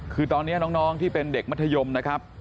คือตอนนี้น้องที่เป็นเด็กมัธยมนะครับ